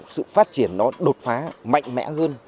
sự phát triển nó đột phá mạnh mẽ hơn